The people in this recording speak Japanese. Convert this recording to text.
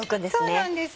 そうなんです。